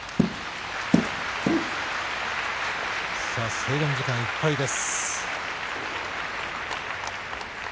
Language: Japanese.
制限時間いっぱいです。